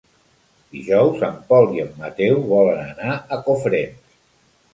Dijous en Pol i en Mateu volen anar a Cofrents.